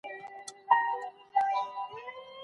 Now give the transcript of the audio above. هغه به له ډېر وخت راهيسي د خپل وقار ساتونکی وي.